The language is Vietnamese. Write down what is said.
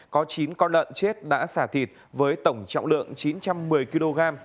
có chín con lợn chết đã xả thịt với tổng trọng lượng chín trăm một mươi kg